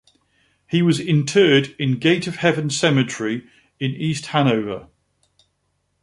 He was interred in Gate of Heaven Cemetery in East Hanover.